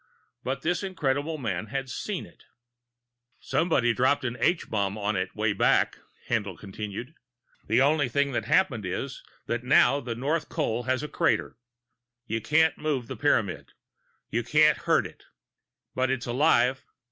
But this incredible man had seen it! "Somebody dropped an H bomb on it, way back," Haendl continued, "and the only thing that happened is that now the North Col is a crater. You can't move the Pyramid. You can't hurt it. But it's alive.